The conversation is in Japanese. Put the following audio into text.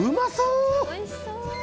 おいしそう。